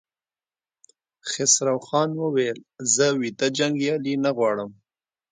خسروخان وويل: زه ويده جنګيالي نه غواړم!